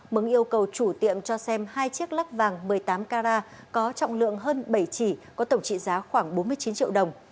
mừng yêu cầu chủ tiệm cho xem hai chiếc lắc vàng một mươi tám carat có trọng lượng hơn bảy chỉ có tổng trị giá khoảng bốn mươi chín triệu đồng